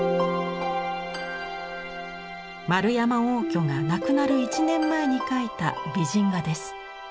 円山応挙が亡くなる１年前に描いた美人画です。